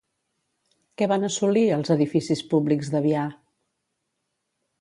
Què van assolir els edificis públics d'Avià?